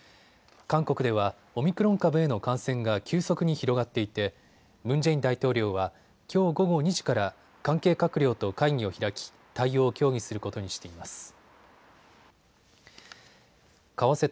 韓国ではオミクロン株への感染が急速に広がっていてムン・ジェイン大統領はきょう午後２時から関係閣僚と会議を開き対応を協議することにしています。